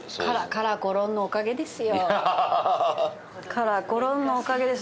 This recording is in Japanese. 「カラコロン」のおかげです。